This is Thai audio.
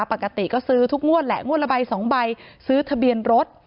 ปกติก็ซื้อทุกงวดแหละงวดละใบ๒ใบซื้อทะเบียนรถ